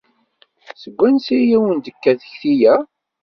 Seg wansi ay awen-d-tekka tekti-a?